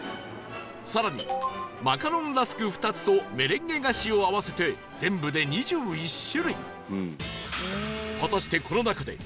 更にマカロンラスク２つとメレンゲ菓子を合わせて全部で２１種類